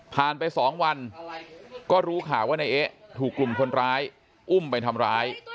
ไป๒วันก็รู้ข่าวว่านายเอ๊ะถูกกลุ่มคนร้ายอุ้มไปทำร้าย